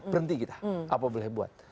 berhenti kita apa boleh buat